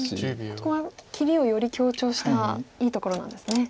ここは切りをより強調したいいところなんですね。